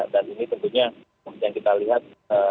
ini tentunya yang kita lihat